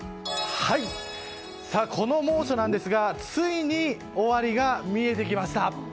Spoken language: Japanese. この猛暑なんですがついに終わりが見えてきました。